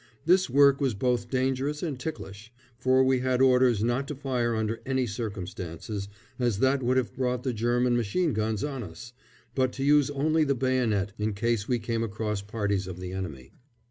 This work was both dangerous and ticklish, for we had orders not to fire under any circumstances, as that would have brought the German machine guns on us; but to use only the bayonet in case we came across parties of the enemy.